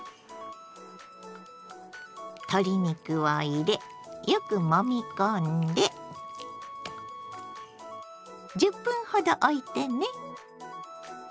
鶏肉を入れよくもみ込んで１０分ほどおいてね。